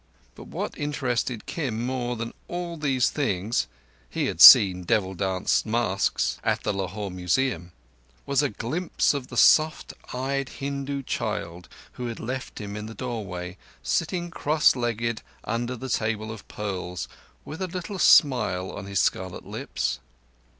But what interested Kim more than all these things—he had seen devil dance masks at the Lahore Museum—was a glimpse of the soft eyed Hindu child who had left him in the doorway, sitting cross legged under the table of pearls with a little smile on his scarlet lips.